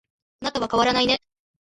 あなたは変わらないね